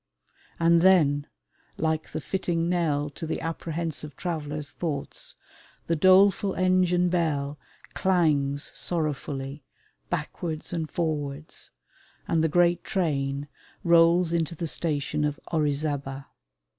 And then, like the fitting knell to the apprehensive traveller's thoughts, the doleful engine bell clangs sorrowfully backwards and forwards, and the great train rolls into the station of Orizaba.